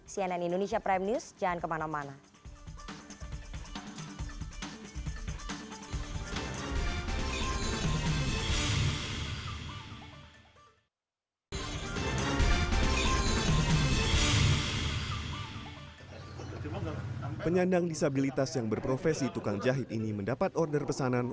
cnn indonesia prime news jangan kemana mana